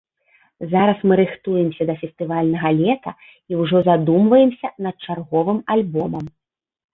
Зараз мы рыхтуемся да фестывальнага лета і ўжо задумваемся над чарговым альбомам.